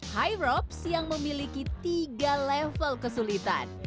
high robs yang memiliki tiga level kesulitan